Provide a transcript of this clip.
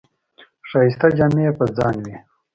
ښایسته جامې یې په ځان وې.